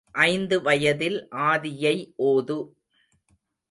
ஐந்து வயதில் ஆதியை ஓது.